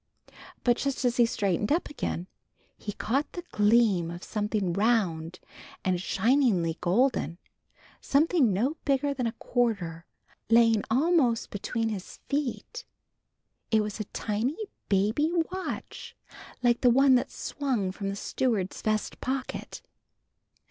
But just as he straightened up again he caught the gleam of something round and shiningly golden, something no bigger than a quarter, lying almost between his feet. It was a tiny baby watch like the one that swung from the steward's vest pocket.